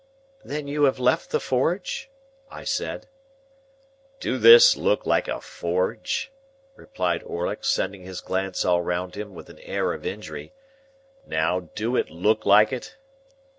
"Then you have left the forge?" I said. "Do this look like a forge?" replied Orlick, sending his glance all round him with an air of injury. "Now, do it look like it?"